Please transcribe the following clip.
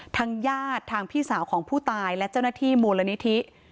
ทางญาติทางพี่สาวของผู้ตายและเจ้าหน้าที่มูลนิธิ